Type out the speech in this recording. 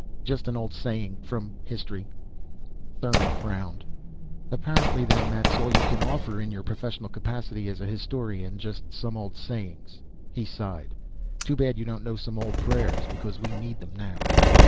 Just an old saying. From history." Thurmon frowned. "Apparently, then, that's all you can offer in your professional capacity as an historian. Just some old sayings." He sighed. "Too bad you don't know some old prayers. Because we need them now."